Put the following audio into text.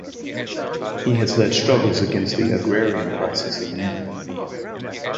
He has led struggles against the agrarian crisis in India.